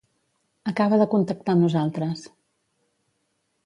Acaba de contactar amb nosaltres.